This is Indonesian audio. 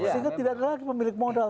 sehingga tidak ada lagi pemilik modal